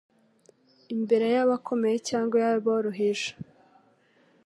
imbere y'abakomeye cyangwa aboroheje.